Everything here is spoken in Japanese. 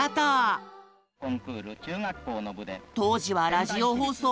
当時はラジオ放送。